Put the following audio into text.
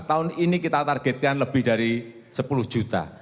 tahun ini kita targetkan lebih dari sepuluh juta